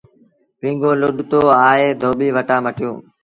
پيٚنگو لوڙتو آئي ڌوٻيٚ وٽآن مٽيو۔